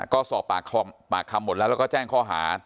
ก็สอบปากคำหมดแล้วแล้วก็แจ้งข้อหา